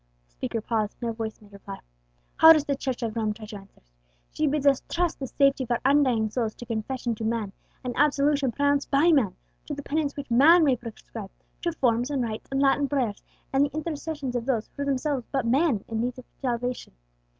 The speaker paused; no voice made reply. "How does the Church of Rome try to answer it? She bids us trust the safety of our undying souls to confession to man, and absolution pronounced by man, to the penance which man may prescribe, to forms and rites and Latin prayers, and the intercessions of those who were themselves but men in need of salvation.